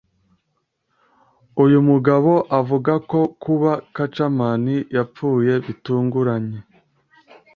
Uyu mugabo avuga ko kuba Kacaman yapfuye bitunguranye